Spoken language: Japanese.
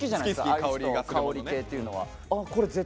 ちょっと香り系っていうのは。